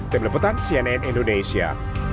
tim leputan cnn indonesia